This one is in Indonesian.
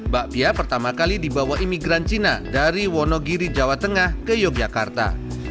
bakpia pertama kali dibawa imigran cina dari wonogiri jawa tengah ke yogyakarta